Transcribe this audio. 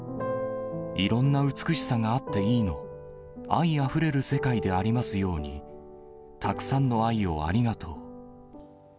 いろんな美しさがあっていいの、愛あふれる世界でありますように、たくさんの愛をありがとう。